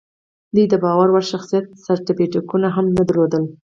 دوی د باور وړ شخصیت سرټیفیکټونه هم نه درلودل